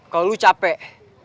kalau lo capek